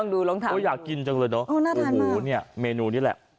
ลองดูลองทำโอ้ยอยากกินจังเลยเนอะโอ้น่าทานมากโอ้โหเนี่ยเมนูนี่แหละ